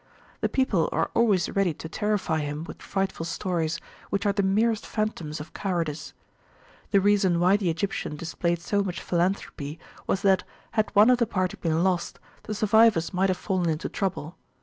The people are always ready to terrify him with frightful stories, which are the merest phantoms of cowardice. The reason why the Egyptian displayed so much philanthropy was that, had one of the party been lost, the survivors might have fallen into trouble.